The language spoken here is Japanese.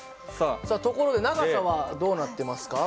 ところで長さはどうなってますか？